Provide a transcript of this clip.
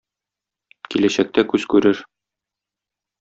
Киләчәктә күз күрер.